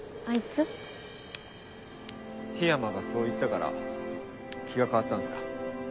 緋山がそう言ったから気が変わったんすか？